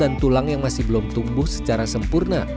dan tulang yang masih belum tumbuh secara sempurna